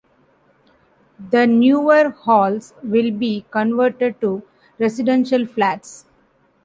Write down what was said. The newer halls will be converted to residential flats.